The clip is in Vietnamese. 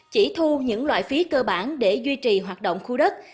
chỉ thu những loại phí cơ bản để duy trì hoạt động khu đất